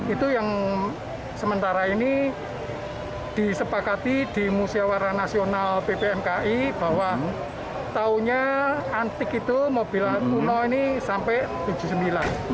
itu yang sementara ini disepakati di musiawaran nasional ppmki bahwa tahunnya antik itu mobil kuno ini sampai seribu sembilan ratus tujuh puluh sembilan